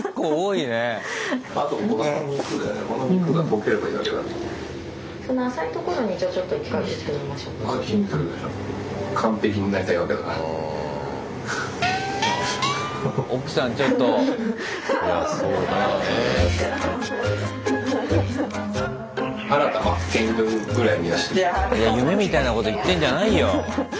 いや夢みたいなこと言ってんじゃないよ。